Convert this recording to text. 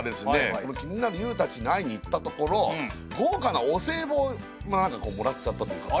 この気になるＹＯＵたちに会いにいったところ豪華なお歳暮をもらっちゃったということで。